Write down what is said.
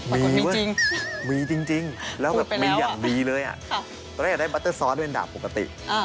มีว่ามีจริงแล้วแบบมีอย่างดีเลยตอนแรกอยากได้บัตเตอร์ซอสเป็นดาบปกติ